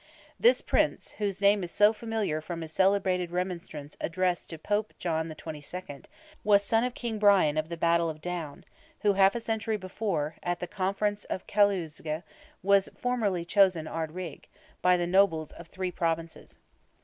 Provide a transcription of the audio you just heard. This Prince, whose name is so familiar from his celebrated remonstrance addressed to Pope John XXII., was son of King Brian of the battle of Down, who, half a century before, at the Conference of Caeluisge, was formally chosen Ard Righ, by the nobles of three Provinces.